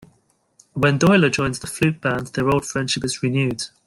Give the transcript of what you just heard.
When Doyler joins the flute band, their old friendship is renewed.